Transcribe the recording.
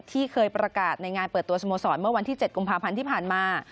ที่เคยประกาศในงานเปิดตัวสโมสรเมื่อวันที่๗กุมภาพันธ์ที่ผ่านมา